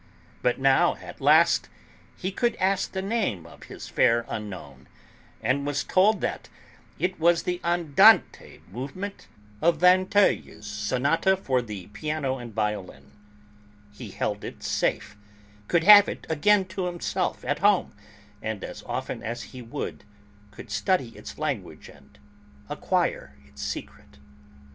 But now, at last, he could ask the name of his fair unknown (and was told that it was the andante movement of Vinteuil's sonata for the piano and violin), he held it safe, could have it again to himself, at home, as often as he would, could study its language and acquire its secret.